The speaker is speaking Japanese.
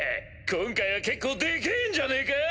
今回は結構でけぇんじゃねぇか？